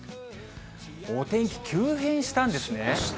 お天気急変したんですね。